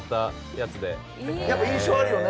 やっぱり印象あるよね。